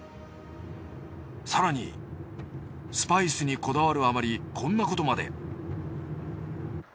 更にスパイスにこだわるあまりこんなことまで。